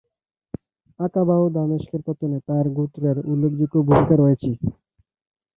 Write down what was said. আকাবা ও দামেস্কের পতনে তার গোত্রের উল্লেখযোগ্য ভূমিকা রয়েছে।